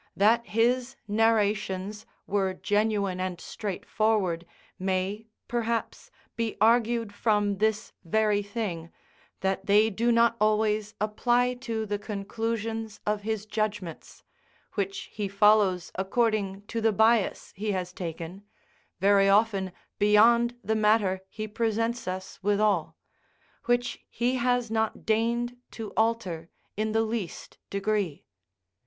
That his narrations were genuine and straightforward may, perhaps, be argued from this very thing, that they do not always apply to the conclusions of his judgments, which he follows according to the bias he has taken, very often beyond the matter he presents us withal, which he has not deigned to alter in the least degree.